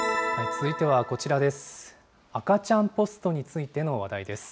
続いてはこちらです。